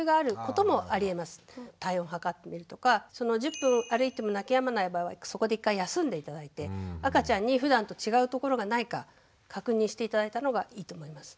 体温を測ってみるとか１０分歩いても泣きやまない場合はそこで一回休んで頂いて赤ちゃんにふだんと違うところがないか確認して頂いた方がいいと思います。